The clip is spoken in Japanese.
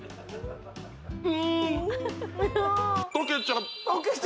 うん・とけちゃった